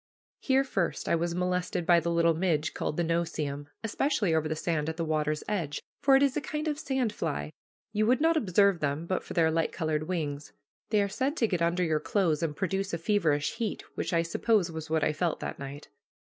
Here first I was molested by the little midge called the no see em, especially over the sand at the water's edge, for it is a kind of sand fly. You would not observe them but for their light colored wings. They are said to get under your clothes and produce a feverish heat, which I suppose was what I felt that night.